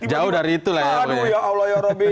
jauh dari itu lah ya